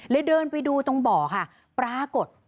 เดินไปดูตรงบ่อค่ะปรากฏ